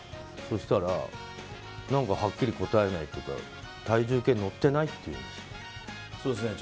そうしたらはっきり答えないというか体重計乗ってないって言うんです。